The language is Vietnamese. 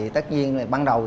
tất nhiên bắt đầu